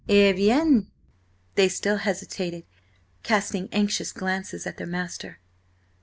"Eh bien!" They still hesitated, casting anxious glances at their master.